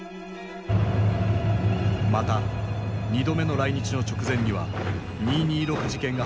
また２度目の来日の直前には二・二六事件が発生。